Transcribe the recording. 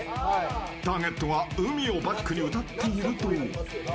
ターゲットは海をバックに歌っているという。